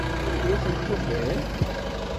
Anda i tent-tufiḍ?